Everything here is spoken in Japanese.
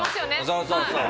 そうそうそう。